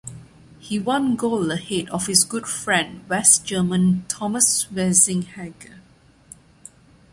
He won gold ahead of his good friend, West German Thomas Wessinghage.